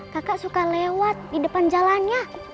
kakak suka lewat di depan jalannya